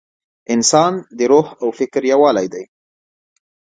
انسان د روح او فکر یووالی دی.